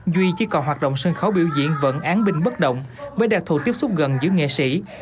duy chỉ còn hoạt động sân khấu biểu diễn vẫn án binh bất động với đặc thù tiếp xúc gần giữa nghệ sĩ